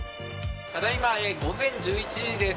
ただいま午前１１時です。